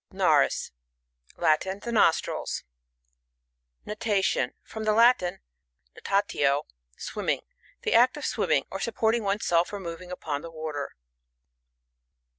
Narbs. — Latin. The nostrils. ^ Natation. — From tlie Latin, natatio, swimming. The act of swimming, or supporting one^s self, or moving upon the water.